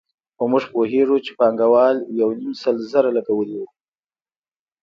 خو موږ پوهېږو چې پانګوال یو نیم سل زره لګولي وو